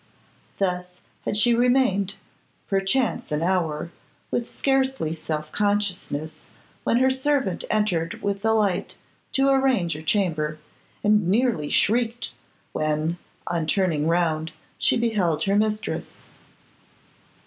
Thus had she remained, perchance an hour, with scarcely self consciousness, when her servant entered with a light to arrange her chamber, and nearly shrieked when, on turning round, she beheld her mistress.